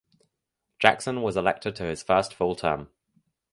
Jackson was elected to his first full term.